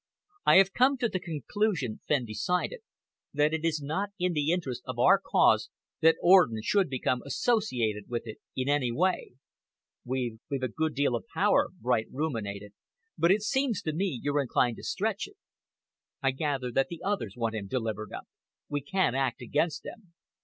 "I have come to the conclusion," Fenn decided, "that it is not in the interests of our cause that Orden should become associated with it in any way." "We've a good deal of power," Bright ruminated, "but it seems to me you're inclined to stretch it. I gather that the others want him delivered up. We can't act against them."